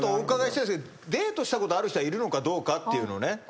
伺いたいんですけどデートしたことある人はいるのかどうかっていうのね。